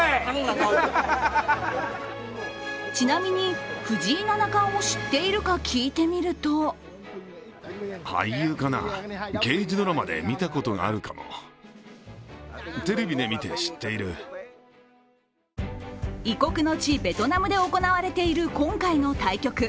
ちなみに、藤井七冠を知っているか聞いてみると異国の地ベトナムで行われている今回の対局。